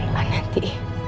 baik baik ya sayang ya